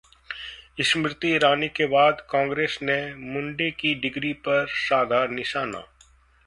स्मृति ईरानी के बाद कांग्रेस ने मुंडे की डिग्री पर साधा निशाना